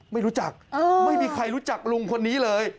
ไม่รู้จักไม่มีใครรู้จักลุงคนนี้เลย